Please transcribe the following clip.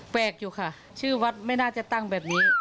แปลกอยู่ค่ะชื่อวัดไม่น่าจะตั้งแบบนี้